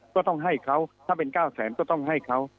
ก็ต้องให้เขาถ้าเป็น๙แสนก็ต้องให้เขา